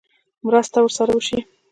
مرسته ورسره وشي.